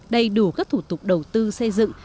đầy đủ các thủ tục đầu tư xây dựng